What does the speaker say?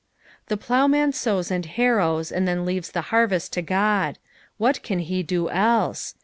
The ploughman sows and harrows, and then leaves the harvest to God. What can he do else